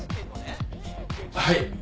はい。